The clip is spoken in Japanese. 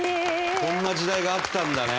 こんな時代があったんだね。